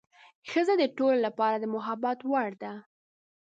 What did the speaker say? ښځه د ټولو لپاره د محبت وړ ده.